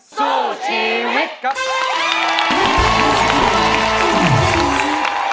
สู้ชีวิต